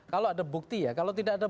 kalau ada bukti ya kalau tidak ada